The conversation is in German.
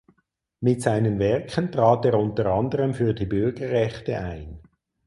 Mit seinen Werken trat er unter anderem für die Bürgerrechte ein.